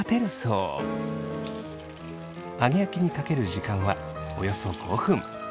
揚げ焼きにかける時間はおよそ５分。